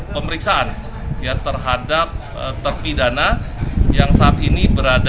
pemeriksaan terhadap terpidana yang saat ini berada